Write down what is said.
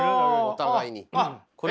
お互いに。